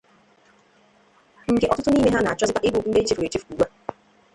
nke ọtụtụ n'ime ha na-achọzịkwa ịbụ ndị e chefuru echefu ugbua.